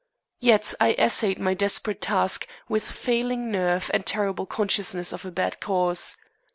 Yet I essayed my desperate task with failing nerve and terrible consciousness of a bad cause.